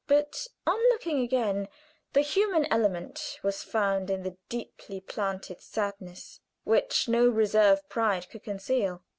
But on looking again the human element was found in the deeply planted sadness which no reserve pride could conceal.